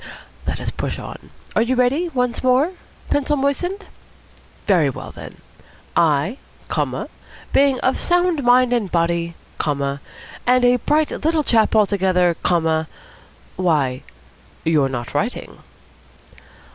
Let us push on. Are you ready, once more? Pencil moistened? Very well, then. 'I' comma 'being of sound mind and body' comma 'and a bright little chap altogether' comma Why, you're not writing."